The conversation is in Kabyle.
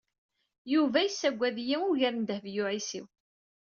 Yuba yessagad-iyi ugar n Dehbiya u Ɛisiw.